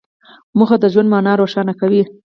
موخه د ژوند مانا روښانه کوي.